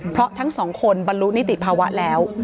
เพราะทั้งสองคนบรรลุนิติภาวะแล้ว